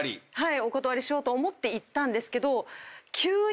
お断りしようと思って行ったんですけど。